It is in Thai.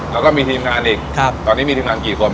แล้วก็มีทีมงานอีกตอนนี้มีทีมงานกี่คน